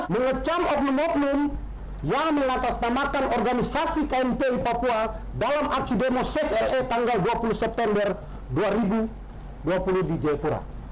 mengecam of the moment yang mengatasnamakan organisasi kmpi papua dalam aksu demo cfre tanggal dua puluh september dua ribu dua puluh di jayapura